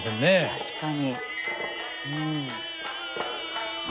確かに。